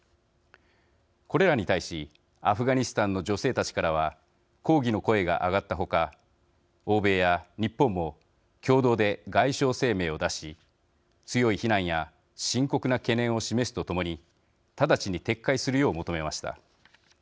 これらに対しアフガニスタンの女性たちからは抗議の声が上がった他欧米や日本も共同で外相声明を出し強い非難や深刻な懸念を示すとともに直ちに撤回するよう求めました。